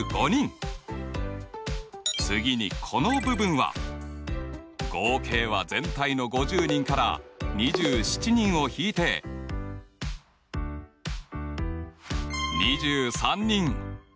次にこの部分は合計は全体の５０人から２７人を引いて２３人。